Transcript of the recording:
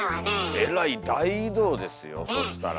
えらい大移動ですよそしたら。